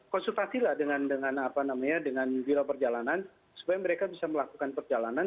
konsultasilah dengan dengan apa namanya dengan biro perjalanan supaya mereka bisa melakukan perjalanan